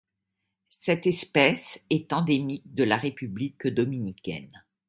Cette espèce est endémique de la République dominicaine.